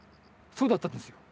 そうだったんですよ。